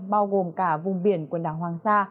bao gồm cả vùng biển quần đảo hoàng sa